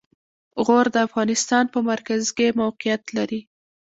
غور د افغانستان په مرکز کې موقعیت لري.